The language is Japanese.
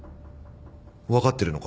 分かってるのか？